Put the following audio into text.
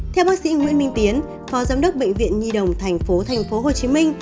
theo bác sĩ nguyễn minh tiến phó giám đốc bệnh viện nhi đồng tp hcm